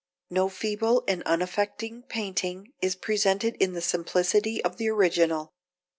No feeble and unaffecting painting is presented in the simplicity of the original.